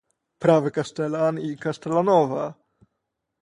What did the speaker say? "Prawy kasztelan i kasztelanowa!"